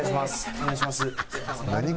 お願いします。